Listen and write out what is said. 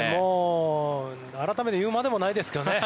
改めて言うまでもないですけどね。